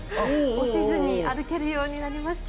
落ちずに歩けるようになりました。